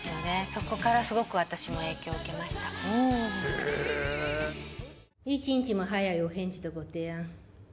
そこからすごく私も影響受けました一日も早いお返事とご提案